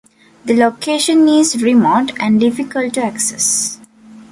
The location is remote and difficult to access.